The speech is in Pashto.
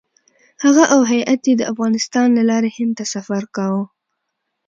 هغه او هیات یې د افغانستان له لارې هند ته سفر کاوه.